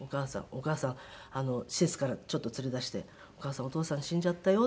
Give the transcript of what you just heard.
お母さん施設からちょっと連れ出して「お母さん。お父さん死んじゃったよ」って言ったら